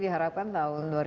bisa ketemu keluarga